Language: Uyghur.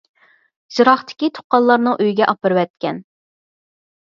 يىراقتىكى تۇغقانلارنىڭ ئۆيىگە ئاپىرىۋەتكەن.